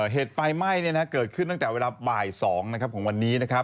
เหตุไฟไหม้เกิดขึ้นตั้งแต่เวลาบ่ายสองของวันนี้